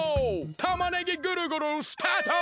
たまねぎぐるぐるスタート！